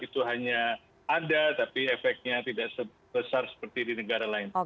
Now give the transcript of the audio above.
itu hanya ada tapi efeknya tidak sebesar seperti di negara lain